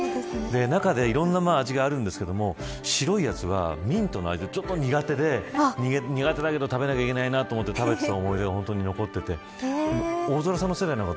中で、いろいろな味がありますが白いやつはミントの味でちょっと苦手でだけど食べなきゃいけないなと思って食べていたのが思い出に残っていて。